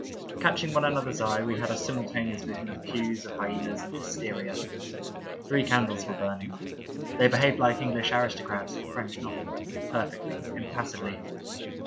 Catching one another's eye, we had a simultaneous vision of pews, of hyenas and hysteria. Three candles were burning. They behaved like English aristo crats in a French novel — perfectly, impassively.